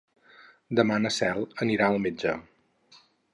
Demà na Cel anirà al metge.